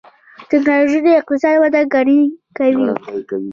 ټکنالوجي د اقتصاد وده ګړندۍ کوي.